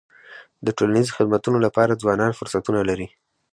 د ټولنیزو خدمتونو لپاره ځوانان فرصتونه لري.